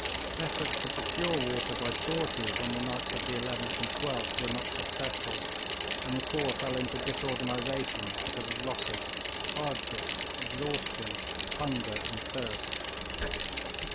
Efforts to procure water by sorties on the nights of the 11th and 12th were not successful, and the corps fell into disorganisation because of losses, hardships, exhaustion, hunger and thirst.